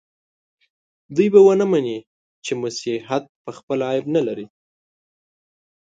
دوی به ونه مني چې مسیحیت پخپله عیب نه لري.